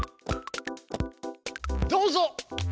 どうぞ！